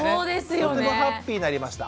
僕もハッピーになりました。